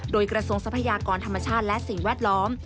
โดยกระทรวงทรัพยากรธรรมชาติและสิ่งแวดล้อม